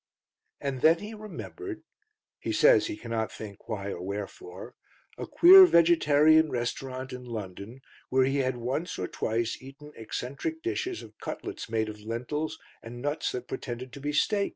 And then he remembered he says he cannot think why or wherefore a queer vegetarian restaurant in London where he had once or twice eaten eccentric dishes of cutlets made of lentils and nuts that pretended to be steak.